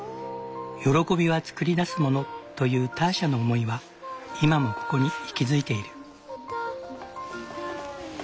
喜びはつくり出すものというターシャの思いは今もここに息づいている。